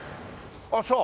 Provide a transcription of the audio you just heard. あっそう。